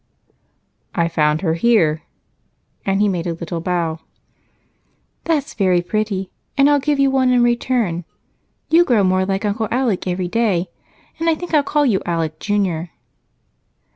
"I found her here," and he made a little bow. "That's very pretty, and I'll give you one in return. You grow more like Uncle Alec every day, and I think I'll call you Alec, Jr."